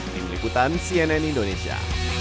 ini melikutan cnn indonesia